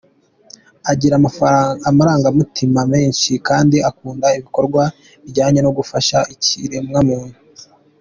Agira amarangamutima menshi kandi akunda ibikorwa bijyanye no gufasha ikiremwamuntu.